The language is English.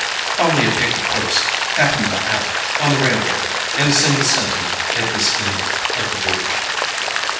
"Only a picket post half a mile out, on the railroad, and a single sentinel at this end of the bridge."